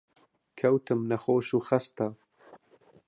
کەوتم نەخۆش و خەستە